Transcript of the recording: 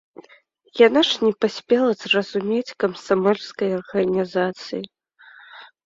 Яна ж не паспела зразумець камсамольскай арганізацыі.